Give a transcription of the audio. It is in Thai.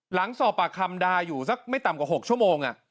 หลังสอบปากคำดาอยู่สักไม่ต่ำกว่า๖ชั่วโมง